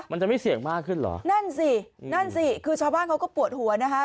มันจะไม่เสี่ยงมากขึ้นเหรอนั่นสินั่นสิคือชาวบ้านเขาก็ปวดหัวนะคะ